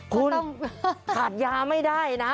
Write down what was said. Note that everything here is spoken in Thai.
คุณต้องขาดยาไม่ได้นะ